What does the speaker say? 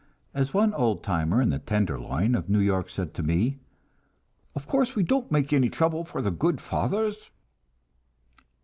As one old timer in the "Tenderloin" of New York said to me, "Of course, we don't make any trouble for the good fathers."